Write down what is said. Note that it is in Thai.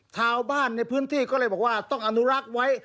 ชาวบ้านในพื้นที่ก็เลยบอกว่าต้องอนุรักษ์ไว้